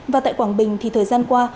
và tại quảng bình thì thời gian qua